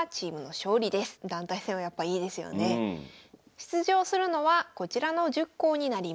出場するのはこちらの１０校になります。